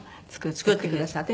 作ってくださって。